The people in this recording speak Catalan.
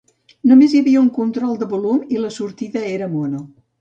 Només hi havia un control de volum i la sortida era mono.